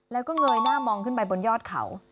แล้วก็เงยหน้ามองขึ้นไปบนยอดเขา